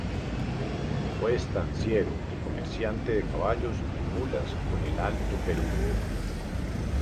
Fue estanciero y comerciante de caballos y mulas con el Alto Perú.